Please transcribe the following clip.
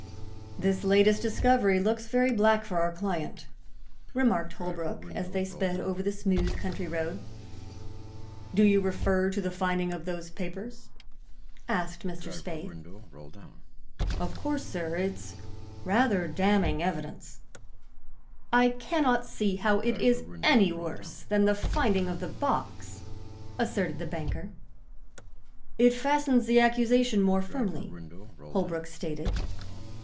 "This latest discovery looks very black for our client," remarked Holbrook, as they sped over the smooth country road. "Do you refer to the finding of those papers?" asked Mr. Spaythe. "Of course, sir. It's rather damning evidence." "I cannot see that it is any worse than the finding of the box," asserted the banker. "It fastens the accusation more firmly," Holbrook stated.